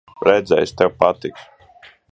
Redzēsi, tev patiks.